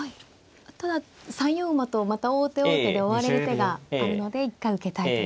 ただ３四馬とまた王手王手で追われる手があるので一回受けたいということですか。